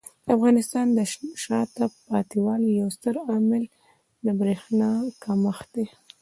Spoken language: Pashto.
د افغانستان د شاته پاتې والي یو ستر عامل د برېښنا کمښت دی.